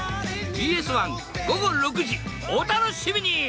ＢＳ１午後６時お楽しみに！